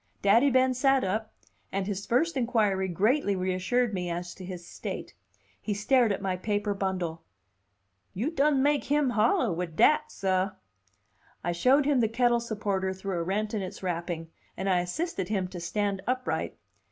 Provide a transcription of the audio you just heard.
Daddy Ben sat up, and his first inquiry greatly reassured me as to his state. He stared at my paper bundle. "You done make him hollah wid dat, sah!" I showed him the kettle supporter through a rent in its wrapping, and I assisted him to stand upright.